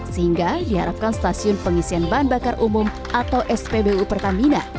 sehingga diharapkan stasiun pengisian bahan bakar umum atau spbu pertamina